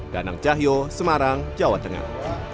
danang cahyo semarang jawa tengah